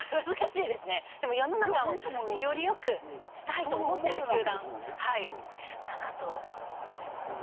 でも世の中をより良くしたいと思ってる集団かなと思います。